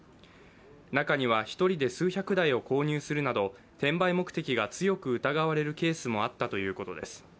中には１人で数百台を購入するなど転売目的が強く疑われるケースもあったということです。